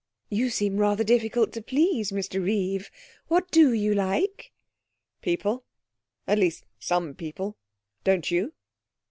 'You seem rather difficult to please, Mr Reeve. What do you like?' 'People; at least, some people. Don't you?'